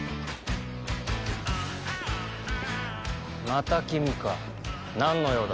また君か何の用だ